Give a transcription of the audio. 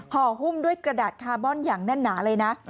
หุ้มด้วยกระดาษคาร์บอนอย่างแน่นหนาเลยนะ